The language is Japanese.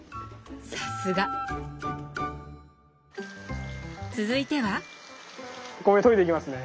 さすが！続いては⁉お米といでいきますね。